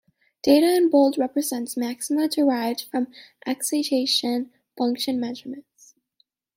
Data in bold represents maxima derived from excitation function measurements.